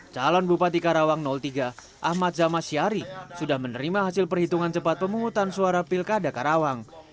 calon bupati karawang tiga ahmad samasyari sudah menerima hasil perhitungan cepat pemungutan suara pilkada karawang